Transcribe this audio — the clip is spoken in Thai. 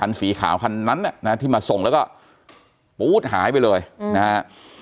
คันสีขาวคันนั้นน่ะที่มาส่งแล้วก็หายไปเลยอืมนะฮะ